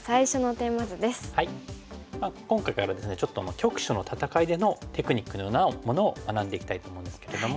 今回からですねちょっと局所の戦いでのテクニックのようなものを学んでいきたいと思うんですけども。